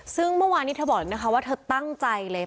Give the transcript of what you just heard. ซึ่งเมื่อวานนี้เธอบอกเลยนะคะว่าเธอตั้งใจเลย